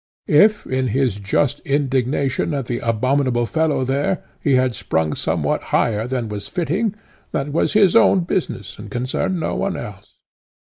If, in his just indignation at the abominable fellow there, he had sprung somewhat higher than was fitting, that was his own business, and concerned no one else.